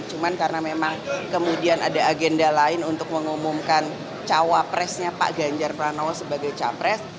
cuma karena memang kemudian ada agenda lain untuk mengumumkan cawapresnya pak ganjar pranowo sebagai capres